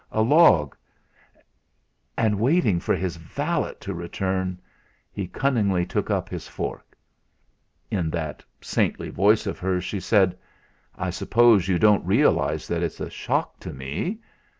A log! And, waiting for his valet to return, he cunningly took up his fork. In that saintly voice of hers she said: "I suppose you don't realise that it's a shock to me.